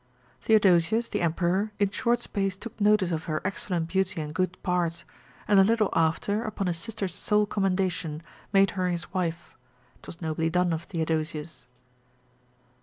Theodosius, the emperor, in short space took notice of her excellent beauty and good parts, and a little after, upon his sister's sole commendation, made her his wife: 'twas nobly done of Theodosius.